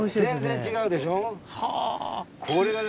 全然違うでしょ？